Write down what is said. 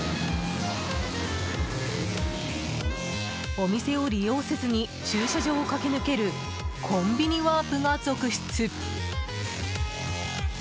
お店を利用せずに駐車場を駆け抜けるコンビニワープが続出。